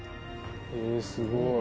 へえすごい。